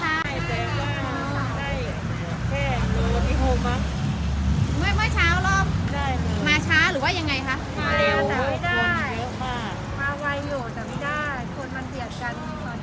มาไว้อยู่แต่ไม่ได้คนมันเบียดกัน